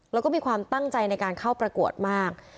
แล้วก็มีความตั้งใจในการเข้าประกวดมาก